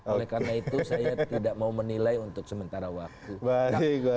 oleh karena itu saya tidak mau menilai untuk sementara waktu